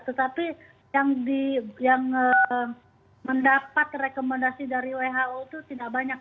tetapi yang mendapat rekomendasi dari who itu tidak banyak